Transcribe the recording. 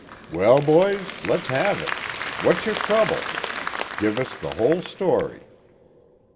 "Well, boys, let's have it. What's your trouble? Give us the whole story."